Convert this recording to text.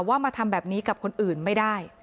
ว่ามาทำแบบนี้กับคนอื่นไม่ได้